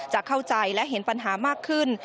จะเข้าใจและเห็นปัญหามากขึ้น